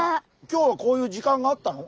今日はこういう時間があったの？